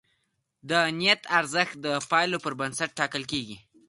د نیت ارزښت د پایلو پر بنسټ ټاکل کېږي.